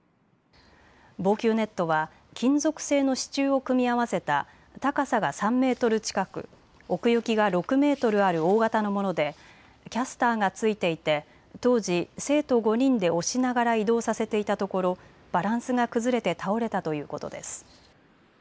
防球ネットは金属製の支柱を組み合わせた高さが３メートル近く、奥行きが６メートルある大型のものでキャスターが付いていて当時、生徒５人で押しながら移動させていたところバランスが崩れて倒れたということです。